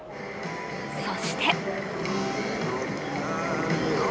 そして